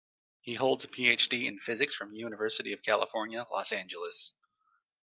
He holds a Ph.D. in Physics from University of California, Los Angeles.